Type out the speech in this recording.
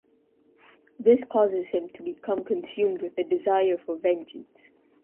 This causes him to become consumed with a desire for vengeance.